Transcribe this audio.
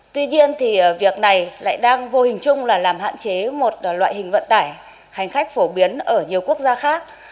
tuy nhiên thì việc này lại đang vô hình chung là làm hạn chế một loại hình vận tải hành khách phổ biến ở nhiều quốc gia khác